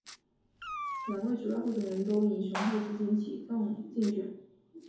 两位主要候选人都以雄厚资金启动竞选。